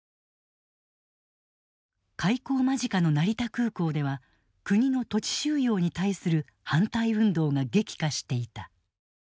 開港間近の成田空港では国の土地収用に対する反対運動が激化していた。